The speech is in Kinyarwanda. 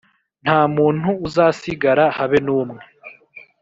Nta muntu uzasigara, habe n’umwe